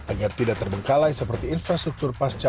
agar tidak terbengkalai seperti infrastruktur pasca